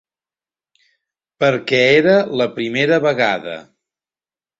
Perquè era la primera vegada